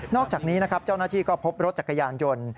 อกจากนี้นะครับเจ้าหน้าที่ก็พบรถจักรยานยนต์